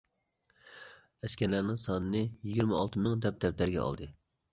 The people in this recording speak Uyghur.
ئەسكەرلەرنىڭ سانىنى يىگىرمە ئالتە مىڭ دەپ دەپتەرگە ئالدى.